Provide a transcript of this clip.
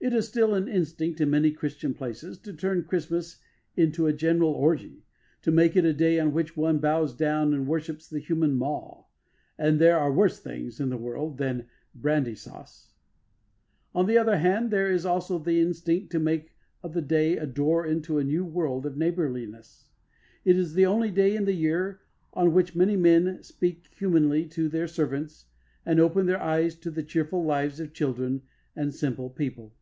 It is still an instinct in many Christian places to turn Christmas into a general orgy to make it a day on which one bows down and worships the human maw. (And there are worse things in the world than brandy sauce.) On the other hand, there is also the instinct to make of the day a door into a new world of neighbourliness. It is the only day in the year on which many men speak humanly to their servants and open their eyes to the cheerful lives of children and simple people.